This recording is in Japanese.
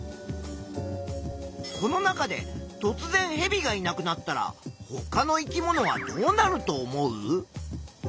この中でとつぜんヘビがいなくなったらほかの生き物はどうなると思う？